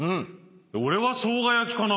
俺はしょうが焼きかな。